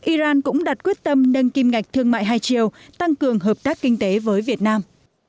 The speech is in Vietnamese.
iran cũng đặt quyết tâm nâng kim ngạch thương mại hai chiều tăng cường hợp tác kinh tế với việt nam